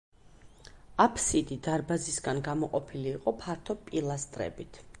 აფსიდი დარბაზისგან გამოყოფილი იყო ფართო პილასტრებით.